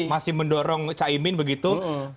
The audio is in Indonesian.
masih mendorong caimin begitu